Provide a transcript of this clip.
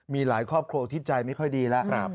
มีหลายครอบครัวที่ใจไม่ค่อยดีแล้ว